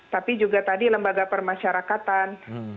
tapi juga tadi lembaga permasyarakatan